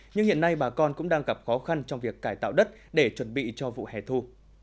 nhưng hiện nay bà con cũng đang gặp khó khăn trong việc cải tạo đất để chuẩn bị cho vụ hè thu